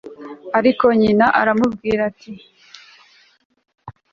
ariko nyina aramubwira ati